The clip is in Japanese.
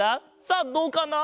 さあどうかな？